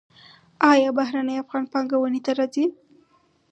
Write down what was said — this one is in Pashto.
آیا بهرنی افغانان پانګونې ته راځي؟